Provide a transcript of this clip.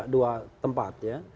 dua tempat ya